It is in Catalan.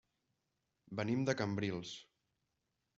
Venim de Cambrils.